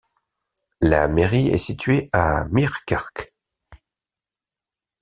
La mairie est située à Meerkerk.